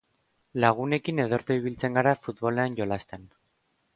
Lagunekin ederto ibiltzen gara futbolean jolasten.